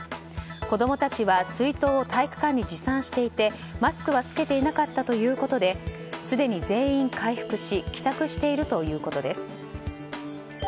子供たちは水筒を体育館に持参していてマスクは着けていなかったということですでに全員回復し帰宅しているということです。